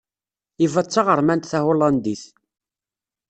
Eva d taɣermant tahulandit.